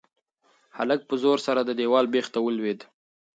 هلک په زور سره د دېوال بېخ ته ولوېد.